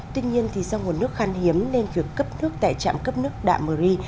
tuy nhiên do nguồn nước khăn hiếm nên việc cấp nước tại trạm cấp nước đạm mưu ri